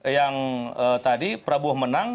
yang tadi prabowo menang